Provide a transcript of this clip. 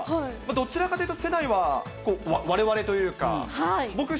どちらかというと、世代はわれわれというか。